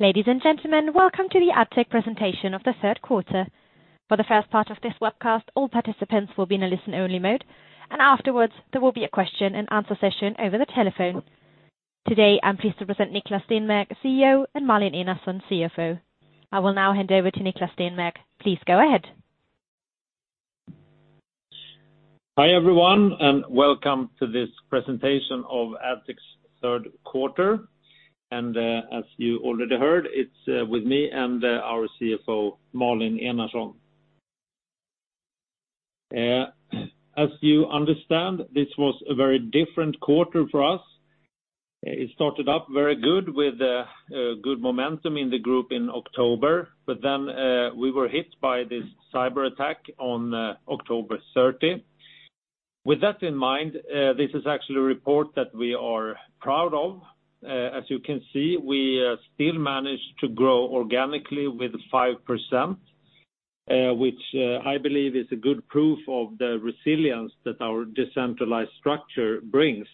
Ladies and gentlemen, welcome to the Addtech presentation of the third quarter. For the first part of this webcast, all participants will be in a listen-only mode, and afterwards there will be a question and answer session over the telephone. Today, I'm pleased to present Niklas Stenberg, CEO, and Malin Enarson, CFO. I will now hand over to Niklas Stenberg. Please go ahead. Hi, everyone, and welcome to this presentation of Addtech's third quarter. As you already heard, it's with me and our CFO, Malin Enarson. As you understand, this was a very different quarter for us. It started up very good with good momentum in the group in October. Then we were hit by this cyber attack on October 30th. With that in mind, this is actually a report that we are proud of. As you can see, we still managed to grow organically with 5%, which I believe is a good proof of the resilience that our decentralized structure brings.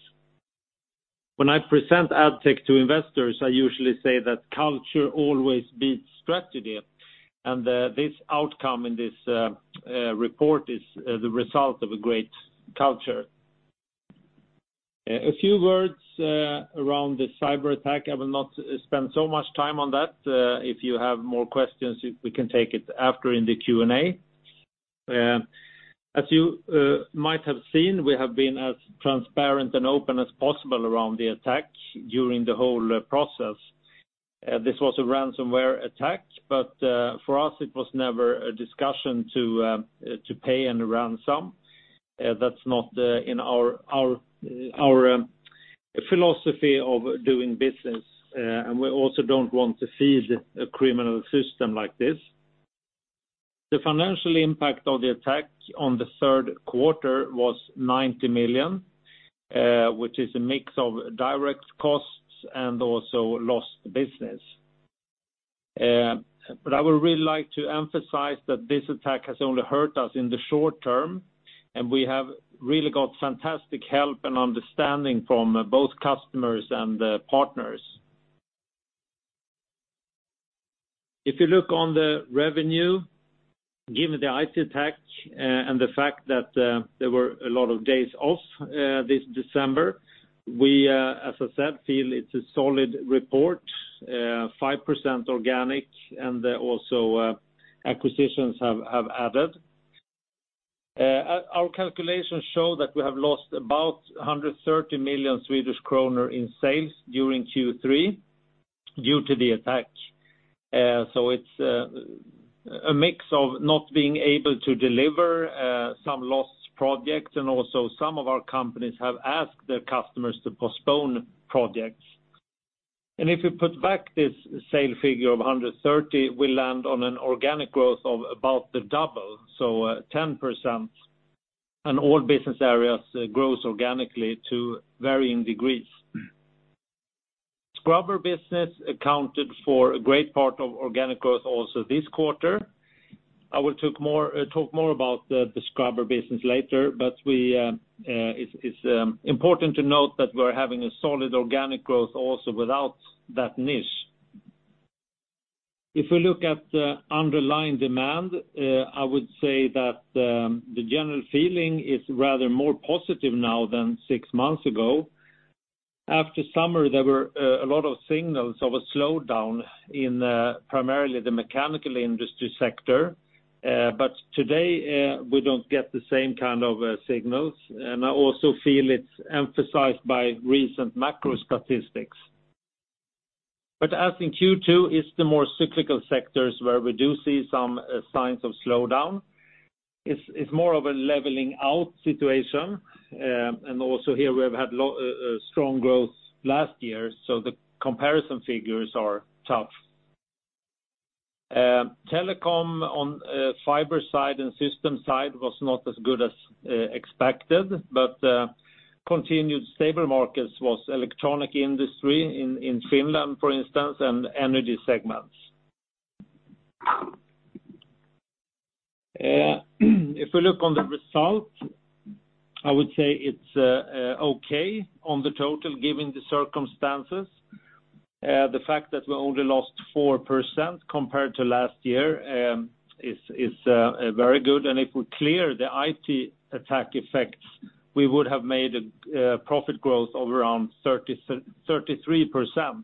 When I present Addtech to investors, I usually say that culture always beats strategy. This outcome in this report is the result of a great culture. A few words around the cyber attack. I will not spend so much time on that. If you have more questions, we can take it after in the Q&A. As you might have seen, we have been as transparent and open as possible around the attack during the whole process. This was a ransomware attack, but for us, it was never a discussion to pay any ransom. That's not in our philosophy of doing business, and we also don't want to feed a criminal system like this. The financial impact of the attack on the third quarter was 90 million, which is a mix of direct costs and also lost business. I would really like to emphasize that this attack has only hurt us in the short term, and we have really got fantastic help and understanding from both customers and partners. If you look on the revenue, given the IT attack and the fact that there were a lot of days off this December, we, as I said, feel it's a solid report, 5% organic and also acquisitions have added. Our calculations show that we have lost about 130 million Swedish kronor in sales during Q3 due to the attack. It's a mix of not being able to deliver some lost projects and also some of our companies have asked their customers to postpone projects. If you put back this sale figure of 130 million, we land on an organic growth of about the double, so 10%, and all business areas grows organically to varying degrees. Scrubber business accounted for a great part of organic growth also this quarter. I will talk more about the scrubber business later, but it's important to note that we're having a solid organic growth also without that niche. If we look at the underlying demand, I would say that the general feeling is rather more positive now than six months ago. After summer, there were a lot of signals of a slowdown in primarily the mechanical industry sector. Today we don't get the same kind of signals, and I also feel it's emphasized by recent macro statistics. As in Q2, it's the more cyclical sectors where we do see some signs of slowdown. It's more of a leveling out situation, and also here we have had strong growth last year, so the comparison figures are tough. Telecom on fiber side and system side was not as good as expected, but continued stable markets was electronic industry in Finland, for instance, and energy segments. If we look on the result, I would say it's okay on the total, given the circumstances. The fact that we only lost 4% compared to last year is very good. If we clear the IT attack effects, we would have made a profit growth of around 33%.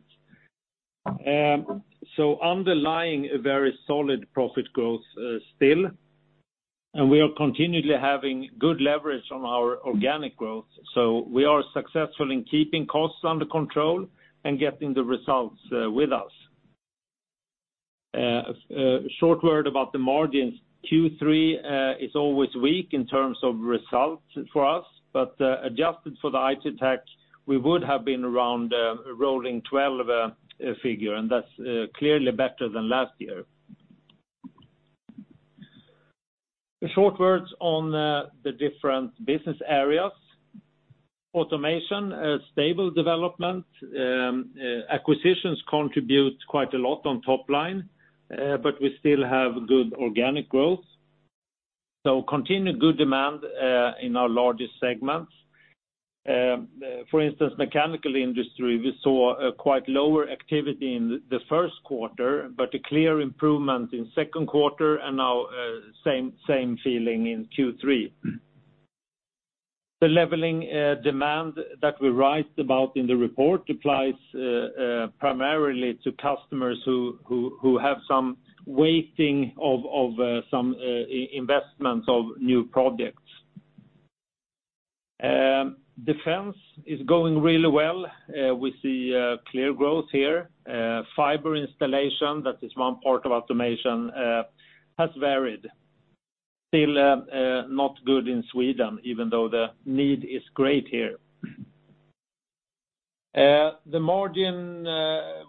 Underlying a very solid profit growth still, and we are continually having good leverage on our organic growth. We are successful in keeping costs under control and getting the results with us. A short word about the margins. Q3 is always weak in terms of results for us, but adjusted for the IT attack, we would have been around a rolling 12 figure, and that's clearly better than last year. A short word on the different business areas. Automation, a stable development. Acquisitions contribute quite a lot on top line, but we still have good organic growth. Continued good demand in our largest segments. For instance, mechanical industry, we saw a quite lower activity in the first quarter, but a clear improvement in second quarter. Now same feeling in Q3. The leveling demand that we write about in the report applies primarily to customers who have some waiting of some investments of new projects. Defense is going really well, we see clear growth here. Fiber installation, that is one part of Automation, has varied. Still not good in Sweden, even though the need is great here. The margin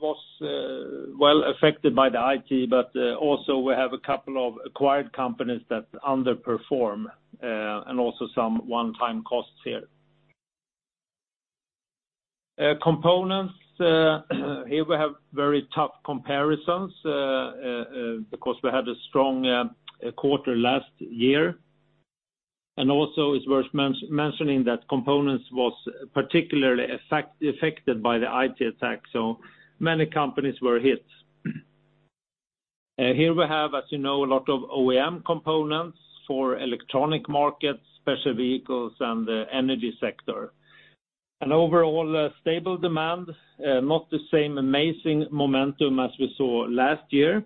was affected by the IT, also we have a couple of acquired companies that underperform, also some one-time costs here. Components, here we have very tough comparisons, because we had a strong quarter last year, and also it's worth mentioning that Components was particularly affected by the IT attack. Many companies were hit. Here we have, as you know, a lot of OEM components for electronic markets, special vehicles, and the Energy sector. Overall stable demand, not the same amazing momentum as we saw last year.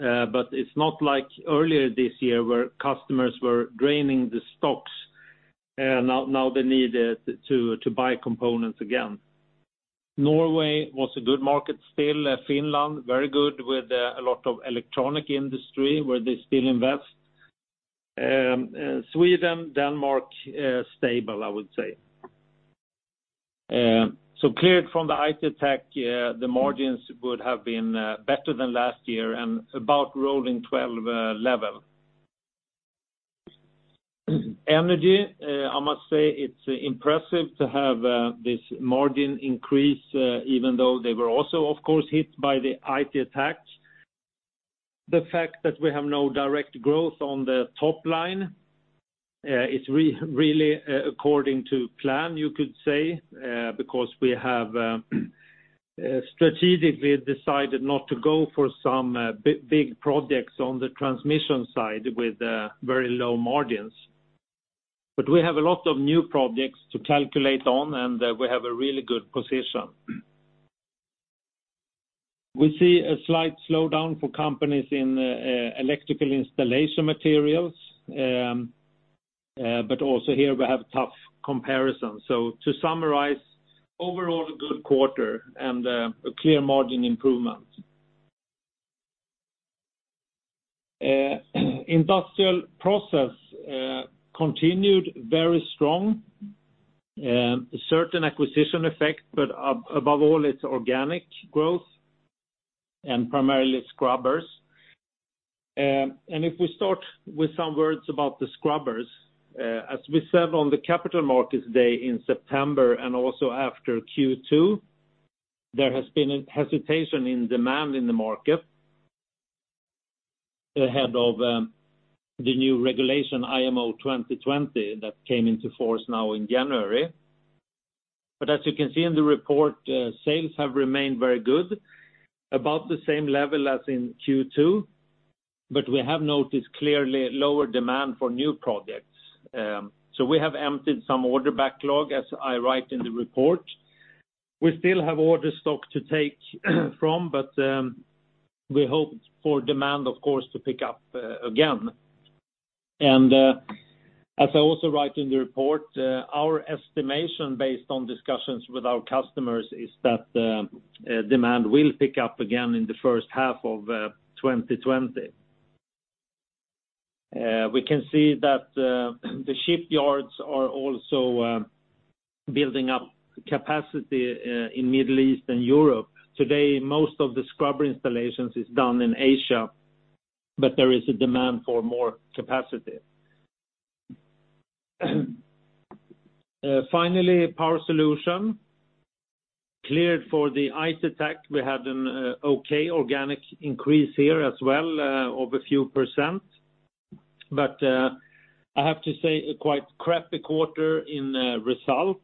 It's not like earlier this year where customers were draining the stocks. Now they need to buy components again. Norway was a good market still. Finland, very good with a lot of electronic industry where they still invest. Sweden, Denmark, stable, I would say. Cleared from the IT attack, the margins would have been better than last year and about rolling 12 level. Energy, I must say it's impressive to have this margin increase, even though they were also of course hit by the IT attacks. The fact that we have no direct growth on the top line, it's really according to plan, you could say, because we have strategically decided not to go for some big projects on the transmission side with very low margins. We have a lot of new projects to calculate on, and we have a really good position. We see a slight slowdown for companies in electrical installation materials, but also here we have tough comparisons. To summarize, overall a good quarter and a clear margin improvement. Industrial Process continued very strong. Certain acquisition effect, but above all it's organic growth, and primarily scrubbers. If we start with some words about the scrubbers, as we said on the Capital Markets Day in September and also after Q2, there has been a hesitation in demand in the market ahead of the new regulation, IMO 2020, that came into force now in January. As you can see in the report, sales have remained very good, about the same level as in Q2, but we have noticed clearly lower demand for new projects. We have emptied some order backlog, as I write in the report. We still have order stock to take from, we hope for demand, of course, to pick up again. As I also write in the report, our estimation based on discussions with our customers is that demand will pick up again in the first half of 2020. We can see that the shipyards are also building up capacity in Middle East and Europe. Today, most of the scrubber installations is done in Asia, but there is a demand for more capacity. Finally, Power Solutions. Cleared for the IT attack, we had an okay organic increase here as well of a few percent. I have to say, a quite crappy quarter in result,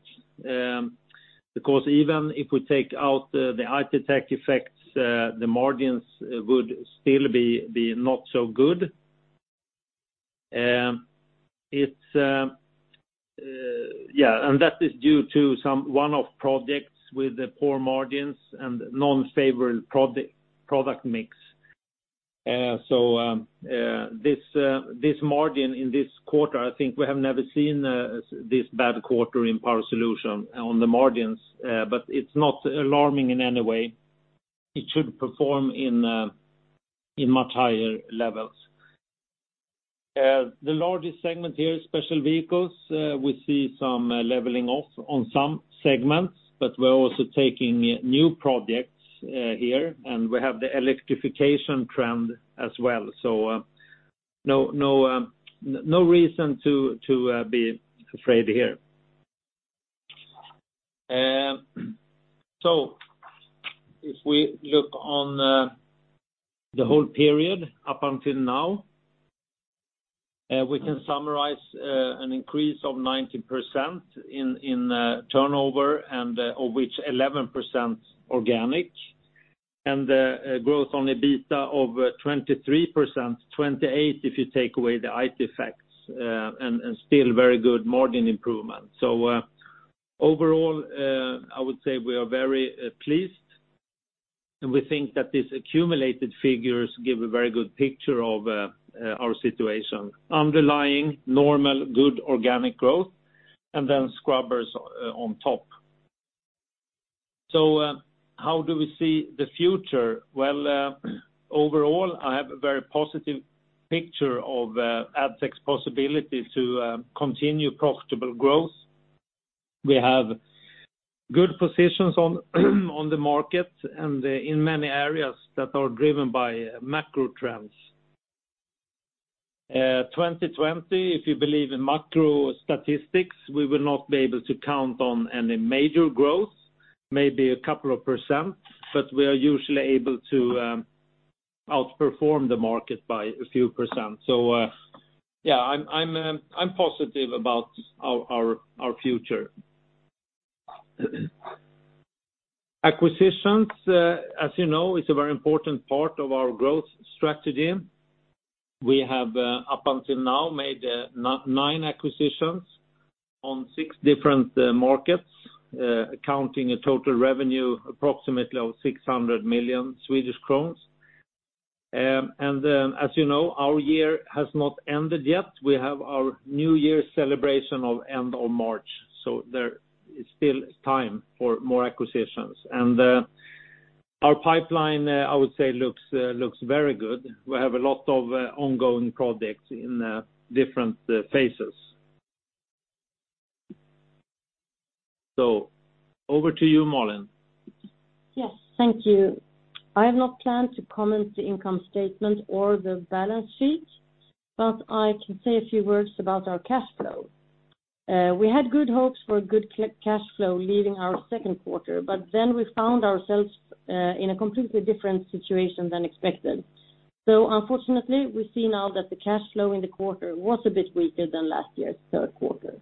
because even if we take out the IT attack effects, the margins would still be not so good. That is due to some one-off projects with poor margins and non-favorable product mix. This margin in this quarter, I think we have never seen this bad a quarter in Power Solutions on the margins, but it's not alarming in any way. It should perform in much higher levels. The largest segment here is special vehicles. We see some leveling off on some segments, but we're also taking new projects here, and we have the Electrification trend as well. No reason to be afraid here. If we look on the whole period up until now, we can summarize an increase of 19% in turnover, of which 11% organic, and a growth on EBITDA of 23%, 28% if you take away the IT effects, and still very good margin improvement. Overall, I would say we are very pleased, and we think that these accumulated figures give a very good picture of our situation. Underlying, normal, good organic growth, and then scrubbers on top. How do we see the future? Well, overall, I have a very positive picture of Addtech's possibility to continue profitable growth. We have good positions on the market and in many areas that are driven by macro trends. 2020, if you believe in macro statistics, we will not be able to count on any major growth, maybe a couple of percent, but we are usually able to outperform the market by a few percent. Yeah, I'm positive about our future. Acquisitions, as you know, is a very important part of our growth strategy. We have, up until now, made nine acquisitions on six different markets, accounting a total revenue approximately of 600 million. As you know, our year has not ended yet. We have our new year celebration of end of March, so there is still time for more acquisitions. Our pipeline, I would say, looks very good. We have a lot of ongoing projects in different phases. Over to you, Malin. Yes, thank you. I have not planned to comment the income statement or the balance sheet. I can say a few words about our cash flow. We had good hopes for good cash flow leaving our second quarter. We found ourselves in a completely different situation than expected. Unfortunately, we see now that the cash flow in the quarter was a bit weaker than last year's third quarter.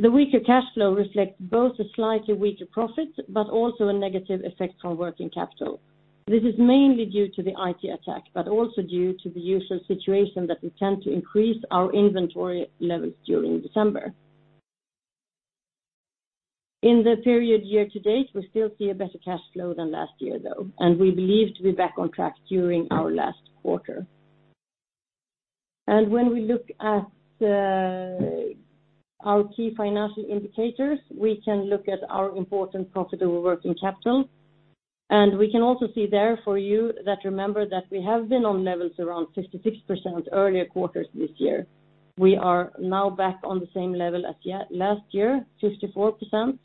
The weaker cash flow reflects both a slightly weaker profit, but also a negative effect on working capital. This is mainly due to the IT attack, but also due to the usual situation that we tend to increase our inventory levels during December. In the period year to date, we still see a better cash flow than last year, though. We believe to be back on track during our last quarter. When we look at our key financial indicators, we can look at our important profitable working capital. We can also see there for you that remember that we have been on levels around 56% earlier quarters this year. We are now back on the same level as last year, 54%,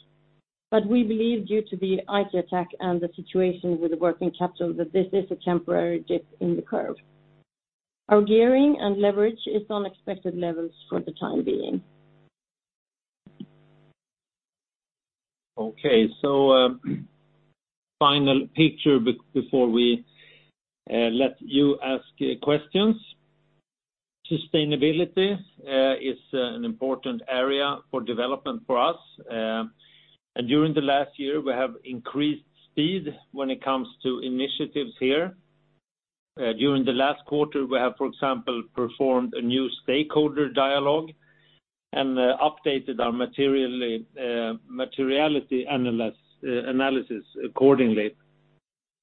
but we believe due to the IT attack and the situation with the working capital that this is a temporary dip in the curve. Our gearing and leverage is on expected levels for the time being. Okay, final picture before we let you ask questions. Sustainability is an important area for development for us, and during the last year, we have increased speed when it comes to initiatives here. During the last quarter, we have, for example, performed a new stakeholder dialogue and updated our materiality analysis accordingly.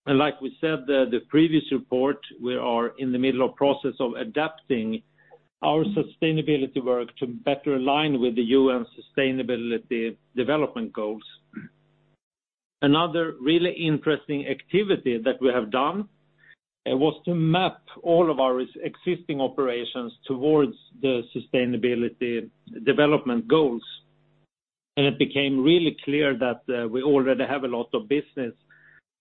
Like we said the previous report, we are in the middle of process of adapting our sustainability work to better align with the UN Sustainable Development Goals. Another really interesting activity that we have done was to map all of our existing operations towards the Sustainable Development Goals. It became really clear that we already have a lot of business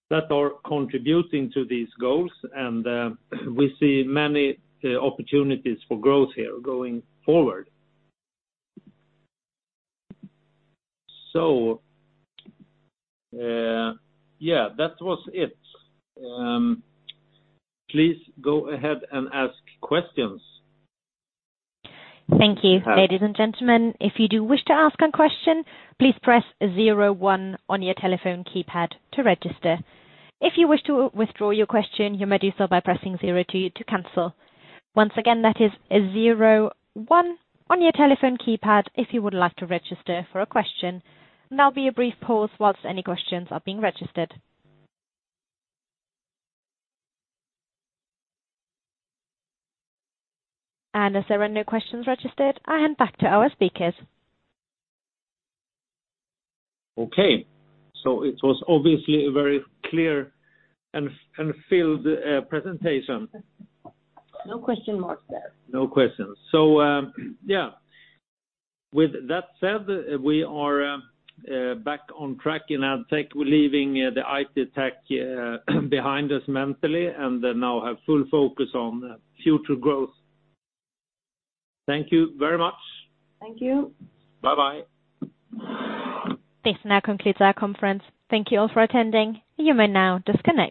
that are contributing to these goals, and we see many opportunities for growth here going forward. That was it. Please go ahead and ask questions. Thank you. Ladies and gentlemen, if you do wish to ask a question, please press zero one on your telephone keypad to register. If you wish to withdraw your question, you may do so by pressing zero two to cancel. Once again, that is zero one on your telephone keypad if you would like to register for a question. There'll be a brief pause whilst any questions are being registered. As there are no questions registered, I hand back to our speakers. Okay. It was obviously a very clear and filled presentation. No question marks there. No questions. Yeah. With that said, we are back on track in Addtech. We're leaving the IT attack behind us mentally, and now have full focus on future growth. Thank you very much. Thank you. Bye-bye. This now concludes our conference. Thank you all for attending. You may now disconnect.